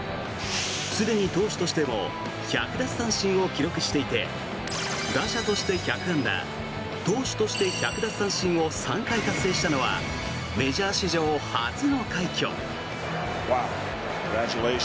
すでに投手としても１００奪三振を記録していて打者として１００安打投手として１００奪三振を３回達成したのはメジャー史上初の快挙。